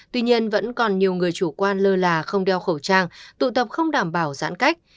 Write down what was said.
tuy nhiên vẫn còn nhiều người chủ quan lơ là không đeo khẩu trang tụ tập không đảm bảo giãn cách